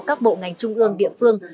các bộ ngành trung ương địa phương